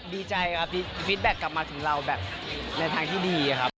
ดีใจครับฟิตแบ็คกลับมาถึงเราแบบในทางที่ดีครับ